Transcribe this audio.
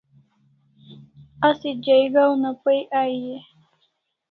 Asi jaiga una pai ai e?